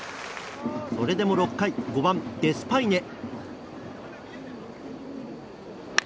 それでも６回５番、デスパイネ。